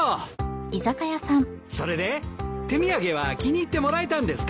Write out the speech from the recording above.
それで手土産は気に入ってもらえたんですか？